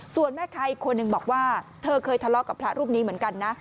ส่วนแม่ค้าอีกคนหนึ่งบอกว่าเธอเคยทะเลาะกับพระรูปนี้เหมือนกันนะ